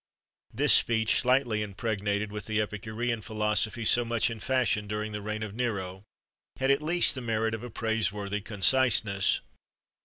This speech, slightly impregnated with the epicurean philosophy so much in fashion during the reign of Nero, had at least the merit of a praiseworthy conciseness.